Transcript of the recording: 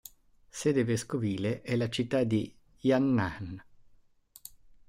Sede vescovile è la città di Yan'an.